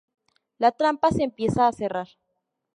La trampa se empieza a cerrar.